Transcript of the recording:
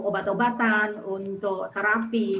obat obatan untuk terapi